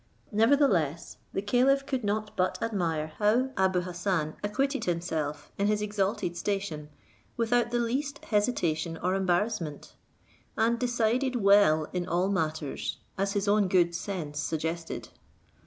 Nevertheless, the caliph could not but admire how Abou Hassan acquitted himself in his exalted station without the least hesitation or embarrassment, and decided well in all matters, as his own good sense suggested.